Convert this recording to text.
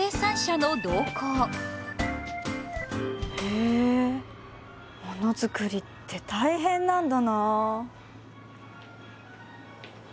へえものづくりって大変なんだな。